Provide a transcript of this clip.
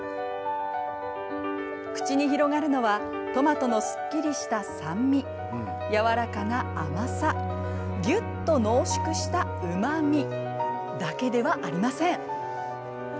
口に広がるのはトマトのすっきりした酸味やわらかな甘さぎゅっと濃縮したうまみだけではありません。